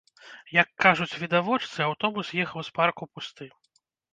Як кажуць відавочцы, аўтобус ехаў з парку пусты.